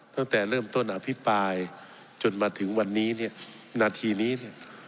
ตั้งแต่เริ่มต้นอภิปรายจนมาถึงวันนี้เนี่ยนาทีนี้เนี่ย